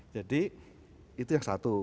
jadi itu yang satu